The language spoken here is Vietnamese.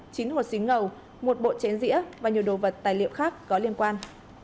chính một xính ngầu một bộ chén dĩa và nhiều đồ vật tài liệu khác có liên quan